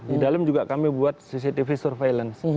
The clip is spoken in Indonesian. di dalam juga kami buat cctv surveillance